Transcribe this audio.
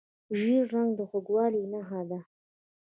ژیړ رنګ د خوږوالي نښه ده.